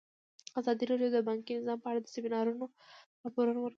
ازادي راډیو د بانکي نظام په اړه د سیمینارونو راپورونه ورکړي.